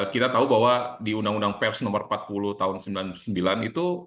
kita tahu bahwa di undang undang peks nomor empat puluh tahun sembilan puluh sembilan itu